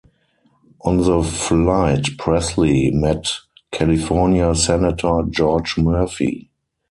On the flight Presley met California senator George Murphy.